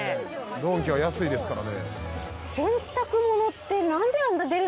ドンキは安いですからね。